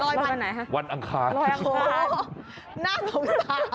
ลอยไปไหนฮะลอยอังคารโอ้โฮน่าสงสาร